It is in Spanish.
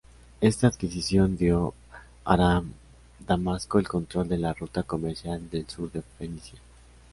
Esta adquisición dio a Aram-Damasco el control de la ruta comercial del sur Fenicia.